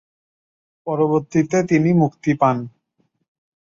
পরবর্তীতে, তিনি মুক্তি পান।